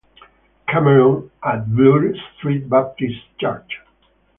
Cameron at Bloor Street Baptist Church.